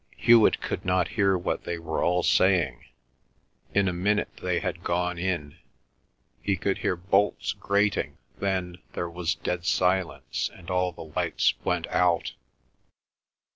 Hewet could not hear what they were all saying. In a minute they had gone in; he could hear bolts grating then; there was dead silence, and all the lights went out.